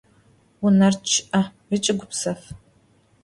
Vuner ç'e ıç'i gupsef.